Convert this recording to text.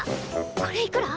これいくら？